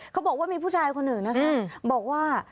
เขาบอกว่ามีผู้ชายคนหนึ่งนะคะบอกว่า